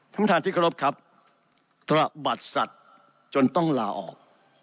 ท่านประธานที่เคารพครับตระบัดสัตว์จนต้องลาออก